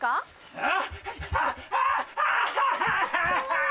あっ！